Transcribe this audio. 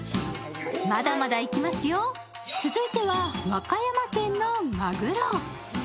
まだまだいきますよ、続いては和歌山県のまぐろ。